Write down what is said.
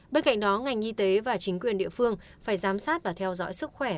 bên cạnh đó ngành y tế và chính quyền địa phương phải giám sát và theo dõi sức khỏe